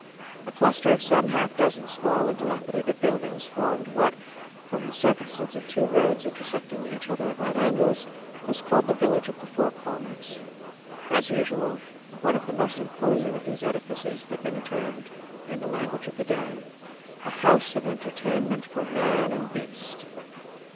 A cluster of some half dozen small and dilapidated buildings formed what, from the circumstance of two roads intersecting each other at right angles, was called the village of the Four Corners. As usual, one of the most imposing of these edifices had been termed, in the language of the day, "a house of entertainment for man and beast."